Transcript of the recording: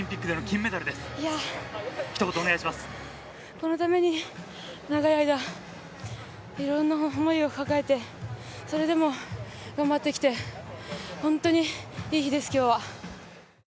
このために長い間色んな思いを抱えてそれでも頑張ってきて本当にいい日です、今日は。